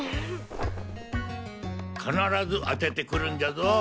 必ず当ててくるんじゃぞ！